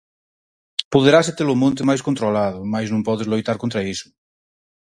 Poderase ter o monte máis controlado, mais non podes loitar contra iso.